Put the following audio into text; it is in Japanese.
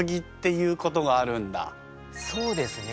そうですね。